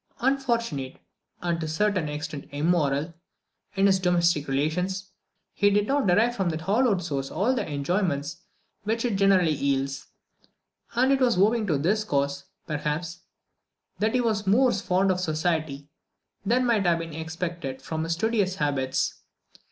Unfortunate, and to a certain extent immoral, in his domestic relations, he did not derive from that hallowed source all the enjoyments which it generally yields; and it was owing to this cause, perhaps, that he was more fond of society than might have been expected from his studious habits.